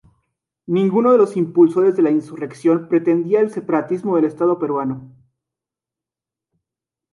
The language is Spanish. Ninguno de los impulsores de la insurrección pretendía el separatismo del Estado peruano.